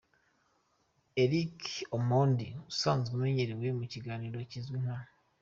Eric Omondi usanzwe amenyerewe mu kiganiro kizwi nka.